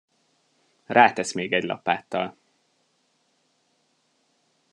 Rátesz még egy lapáttal.